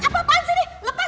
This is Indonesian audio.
apa apaan sih ini